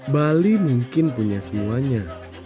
bali mungkin punya semuanya